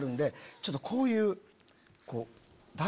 ちょっとこういう。